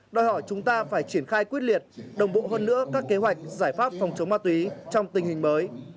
đòi hỏi chúng ta phải triển khai quyết liệt đồng bộ hơn nữa các kế hoạch giải pháp phòng chống ma túy trong tình hình mới